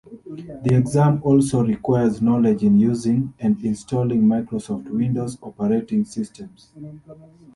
The exam also requires knowledge in using and installing Microsoft Windows operating systems.